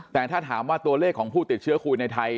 แต่ถ้าถามว่าตัวเลขของผู้ติดเชื้อโควิดในไทย